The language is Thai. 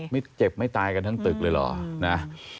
ไม่เจ็บไม่ตายกันทั้งตึกเลยเหรอนะ